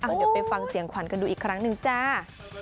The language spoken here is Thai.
เดี๋ยวไปฟังเสียงขวัญกันดูอีกครั้งหนึ่งจ้า